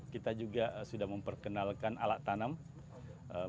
kita juga sudah memperkenal favorit tanam menggunakan robotik dk serba dua puluh